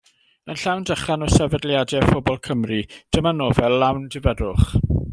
Yn llawn dychan o sefydliadau a phobl Cymru, dyma nofel lawn difyrrwch.